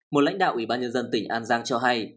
một lãnh đạo ủy ban nhân dân tỉnh an giang cho hay